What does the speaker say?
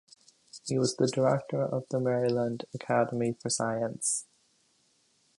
He was the director of the Maryland Academy of Science.